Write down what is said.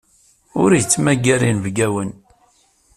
Ur yettmagar inebgawen.